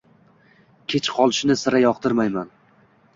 Kech qolishni sira yoqtirmayman.